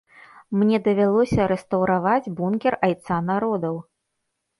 Мне давялося рэстаўраваць бункер айца народаў.